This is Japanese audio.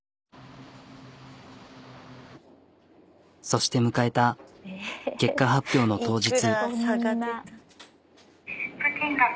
そして迎えた結果発表の当日。